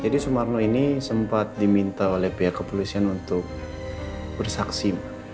jadi sumarno ini sempat diminta oleh pihak kepolisian untuk bersaksi